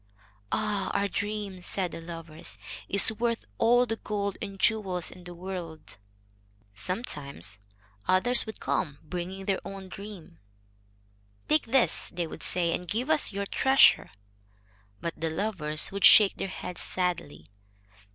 "Ah! our dream," said the lovers, "is worth all the gold and jewels in the world." Sometimes others would come, bringing their own dreams. "Take this," they would say, "and give us your treasure." But the lovers would shake their heads sadly.